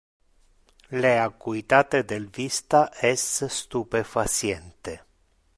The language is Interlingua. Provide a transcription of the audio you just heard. Le acuitate del vista es stupefaciente.